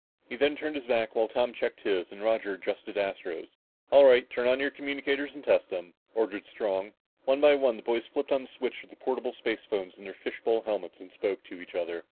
He then turned his back while Tom checked his, and Roger adjusted Astro's. "All right, turn on your communicators and test them," ordered Strong. One by one the boys flipped on the switch of the portable spacephones in their fish bowl helmets and spoke to each other.